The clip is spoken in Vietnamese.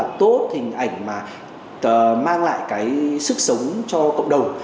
rất là tốt hình ảnh mà mang lại cái sức sống cho cộng đồng